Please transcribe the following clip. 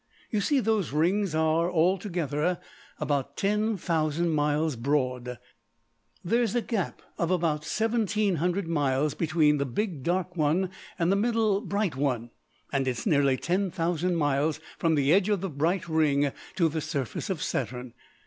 "You see those rings are, all together, about 10,000 miles broad; there's a gap of about 1,700 miles between the big dark one and the middle bright one, and it's nearly 10,000 miles from the edge of the bright ring to the surface of Saturn.